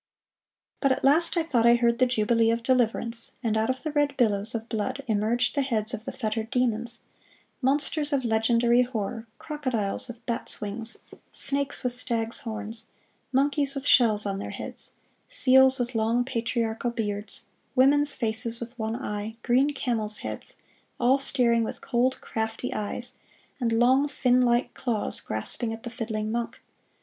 But at last I thought I heard the jubilee of deliverance, and out of the red billows of blood emerged the heads of the fettered demons: monsters of legendary horror, crocodiles with bats' wings, snakes with stags' horns, monkeys with shells on their heads, seals with long patriarchal beards, women's faces with one eye, green camels' heads, all staring with cold, crafty eyes, and long, fin like claws grasping at the fiddling monk.